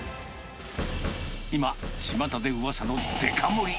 今、ちまたでうわさのデカ盛り。